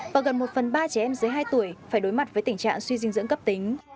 và gần một phần ba trẻ em dưới hai tuổi phải đối mặt với tình trạng suy dinh dưỡng cấp tính